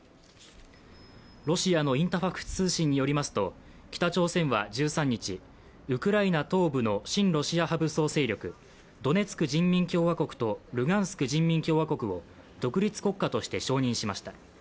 ロシアのインタファクス通信によりますと北朝鮮は１３日、ウクライナ東部の親ロシア派武装勢力、ドネツク人民共和国とルガンスク人民共和国を独立国家として承認しました。